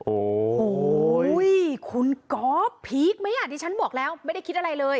โอ้โหคุณก๊อฟพีคไหมอ่ะดิฉันบอกแล้วไม่ได้คิดอะไรเลย